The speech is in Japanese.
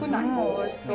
おいしそう。